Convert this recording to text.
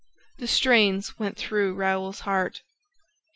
The strains went through Raoul's heart.